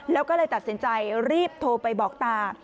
แล้วก็เลยตัดสินใจรีบโทรไปบอกตา